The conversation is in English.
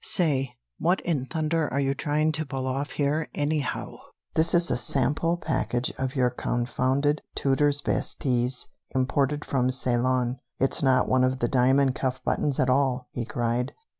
"Say, what in thunder are you trying to pull off here, anyhow? This is a sample package of your confounded 'Tooter's Best Teas, Imported From Ceylon.' It's not one of the diamond cuff buttons at all!" he cried.